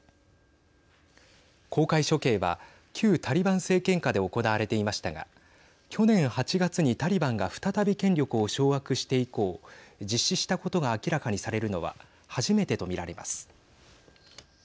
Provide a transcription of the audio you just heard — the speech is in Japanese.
公開処刑は、旧タリバン政権下で行われていましたが去年８月にタリバンが再び権力を掌握して以降実施したことが明らかにされるのは初めてと見られます。